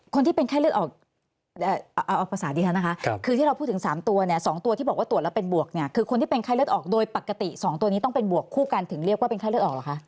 คนที่เป็นไข้เลือดออกเอาภาษาดิฉันนะคะคือที่เราพูดถึง๓ตัวเนี่ย๒ตัวที่บอกว่าตรวจแล้วเป็นบวกเนี่ยคือคนที่เป็นไข้เลือดออกโดยปกติ๒ตัวนี้ต้องเป็นบวกคู่กันถึงเรียกว่าเป็นไข้เลือดออกเหรอคะ